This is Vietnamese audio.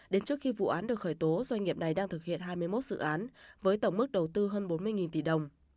đến trước khi vụ án được khởi tố doanh nghiệp này đang thực hiện hai mươi một dự án với tổng mức đầu tư hơn bốn mươi tỷ đồng